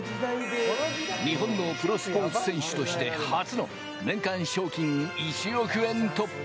日本のプロスポーツ選手として初の年間賞金１億円突破！